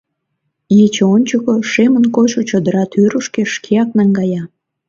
Ече ончыко, шемын койшо чодыра тӱрышкӧ, шкеак наҥгая.